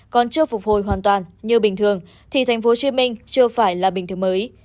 còn chưa phục hồi hoàn toàn như bình thường thì thành phố hồ chí minh chưa phải là bình thường mới